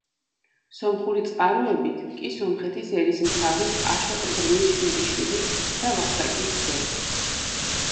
სომხური წყაროებით, კი სომხეთის ერისმთავრის აშოტ ბრმის შვილიშვილი და ვასაკის ძე.